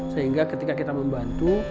sehingga ketika kita membantu